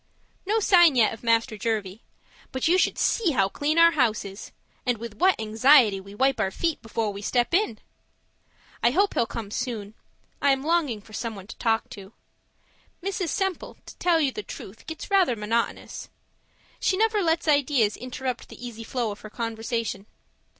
No sign yet of Master Jervie. But you should see how clean our house is and with what anxiety we wipe our feet before we step in! I hope he'll come soon; I am longing for someone to talk to. Mrs. Semple, to tell you the truth, gets rather monotonous. She never lets ideas interrupt the easy flow of her conversation.